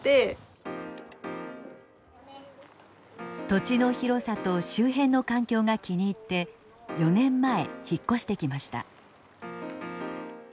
土地の広さと周辺の環境が気に入って４年前引っ越してきました。